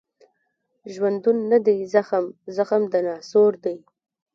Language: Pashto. ژوندون نه دی زخم، زخم د ناسور دی